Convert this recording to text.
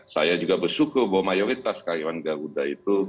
saya juga bersyukur bahwa mayoritas karyawan garuda itu